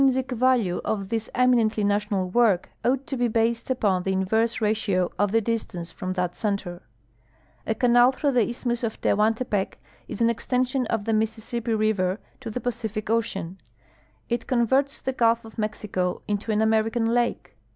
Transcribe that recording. sic value of this eminently national work oii^dit to he hased niion the inver.«(* ratio of the difitance from that center. A canal throne'll the isthmn.s of Telman THE TEHUANTEPEC SHIP RAIUVAY 72 tepee is an extension of the ^Mississippi river to the Pacific ocean. It converts tlie gulf of IMexico into an American lake.